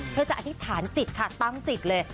เพื่อจะอธิษฐานจิตค่ะตั้งจิตเลย